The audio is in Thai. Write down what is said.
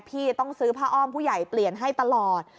พี่ต้องซื้อผ้าอ้อมผู้ใหญ่เปลี่ยนให้ตลอด